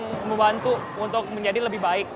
kita mau bantu untuk menjadi lebih baik